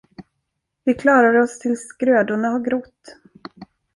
Vi klarar oss tills grödorna har grott.